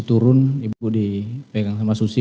turun ibu dipegang sama susi